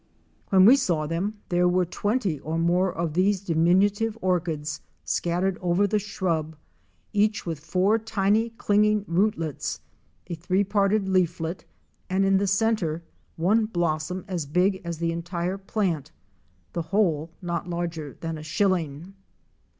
When we saw them, there were twenty or more of these diminutive orchids scattered over the shrub, each with four tiny clinging rootlets, a three parted leaflet and in the centre one blossom as big as the entire plant, the whole not larger than a shilling.